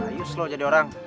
jayus lo jadi orang